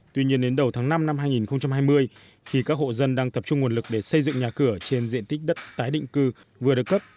tuy nhiên đến đầu tháng năm năm hai nghìn hai mươi khi các hộ dân đang tập trung nguồn lực để xây dựng nhà cửa trên diện tích đất tái định cư vừa được cấp